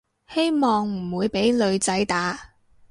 希望唔會畀女仔打